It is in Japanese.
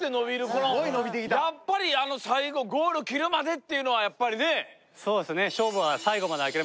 このやっぱりあの最後ゴール切るまでっていうのはやっぱりねそうですね